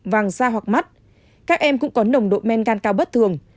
vàng da hoặc mắt các em cũng có nồng độ men gan cao bất thường